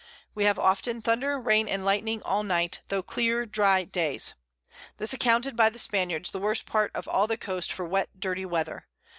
We have often Thunder, Rain and Lightning all the Night, tho' clear dry Days. This is accounted by the Spaniards the worst part of all the Coast for wet dirty Weather.